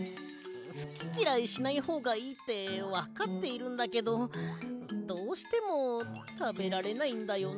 すききらいしないほうがいいってわかっているんだけどどうしてもたべられないんだよな。